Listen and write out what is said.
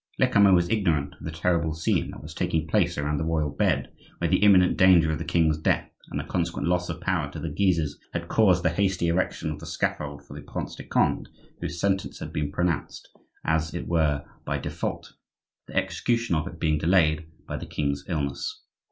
Lecamus was ignorant of the terrible scene that was taking place around the royal bed, where the imminent danger of the king's death and the consequent loss of power to the Guises had caused the hasty erection of the scaffold for the Prince de Conde, whose sentence had been pronounced, as it were by default,—the execution of it being delayed by the king's illness.